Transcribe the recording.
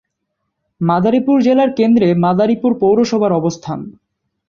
মাদারীপুর জেলার কেন্দ্রে মাদারীপুর পৌরসভার অবস্থান।